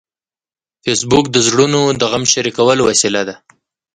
فېسبوک د زړونو د غم شریکولو وسیله ده